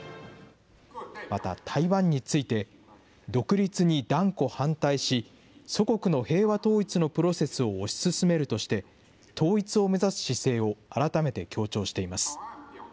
また、台湾について、独立に断固反対し、祖国の平和統一のプロセスを推し進めるとして、統一を目指す姿勢を改めて強調しています。